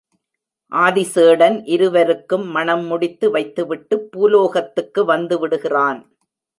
ஆதிசேடன் இருவருக்கும் மணம் முடித்து வைத்துவிட்டுப் பூலோகத்துக்கு வந்து விடுகிறான்.